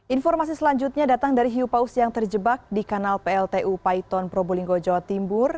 informasi selanjutnya datang dari hiu paus yang terjebak di kanal pltu paiton probolinggo jawa timur